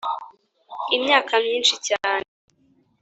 imyaka myinshi cyane